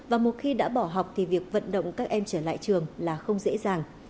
và một khi đã bỏ học thì việc vận động các em trở lại trường là không dễ dàng